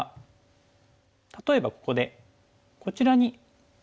例えばここでこちらにトブ手。